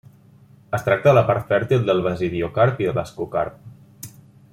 Es tracta de la part fèrtil del basidiocarp i de l'ascocarp.